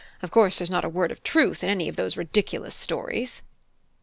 Of course there's not a word of truth in any of those ridiculous stories."